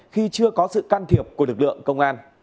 khi chưa có sự can thiệp của lực lượng công an